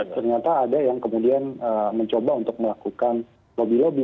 ternyata ada yang kemudian mencoba untuk melakukan lobby lobby